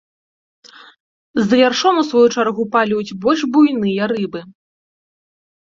За яршом у сваю чаргу палююць больш буйныя рыбы.